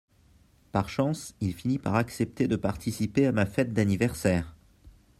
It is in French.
Par chance, il finit par accepter de participer à ma fête d'anniversaire